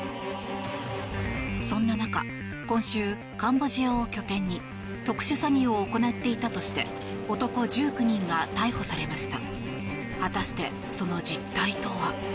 そんな中、今週カンボジアを拠点に特殊詐欺を行っていたとして男１９人が逮捕されました。